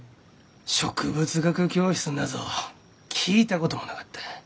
植物学教室なぞ聞いたこともなかった。